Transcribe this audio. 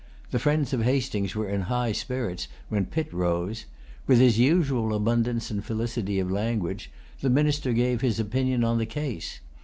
The friends of Hastings were in high spirits when Pitt rose. With his usual abundance and felicity of language, the Minister gave his opinion on the case.